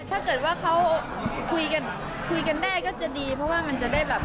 ถ้าเกิดว่าเขาคุยกันคุยกันได้ก็จะดีเพราะว่ามันจะได้แบบ